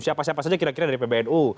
siapa siapa saja kira kira dari pbnu